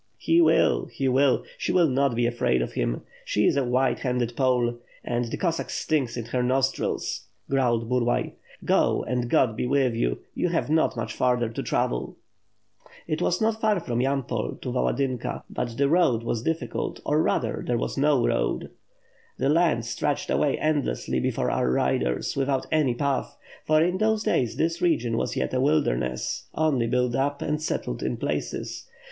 "He will, he will; she will not be afraid of him. She is a white handed Pole! And the Cossack stinks in her nos trils!" growled Burlay. "Go, and God be with you; you have not much farther to travel." It was not far from Yampol to Yaladynka but the road was difficult, or, rather, there was no road. The land stretched away endlessly before our riders, without any path; for in those days this region was yet a wilderness, only built up and settled in places.